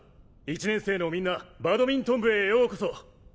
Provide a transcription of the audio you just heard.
１年生のみんなバドミントン部へようこそ。